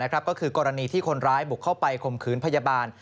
ก็คือกรณีที่คนร้ายบุกเข้าไปข่มขืนพยาบาล